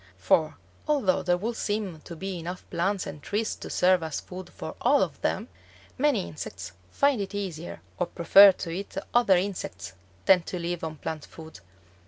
For although there would seem to be enough plants and trees to serve as food for all of them, many insects find it easier or prefer to eat other insects than to live on plant food.